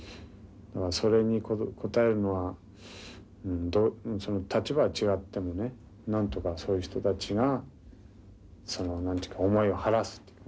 それに応えるのは立場は違ってもねなんとかそういう人たちが思いを晴らすっていうかね